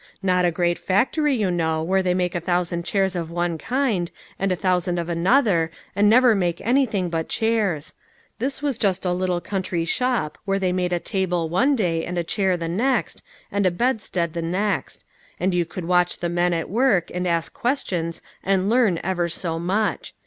Not a great factory, you know, where they make a thousand chairs of one kind, and a thousand of another, and never make anything but chairs. This was just a little country shop, where they made a table one day, and a chair the next, and a bedstead the next ; and you could watch the men at work, and ask questions and learn ever so much.